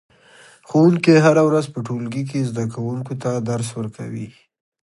ښوونکی هره ورځ په ټولګي کې زده کوونکو ته درس ورکوي